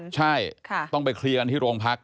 ใช่ต้องไปเคลียร์กันที่โรงพัก